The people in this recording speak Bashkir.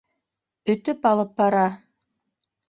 Өтөп алып бара!